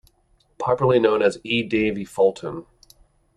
Popularly known as E. Davie Fulton.